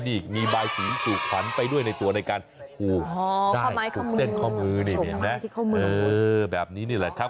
นี่มีบายสีปรูกผลัญไปด้วยในตัวในการฝูงได้ปรุกเส้นข้อมือแบบนี้นี่แหละครับ